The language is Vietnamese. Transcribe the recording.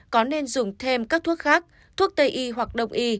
có nên dùng thêm các thuốc khác thuốc tây y hoặc đồng y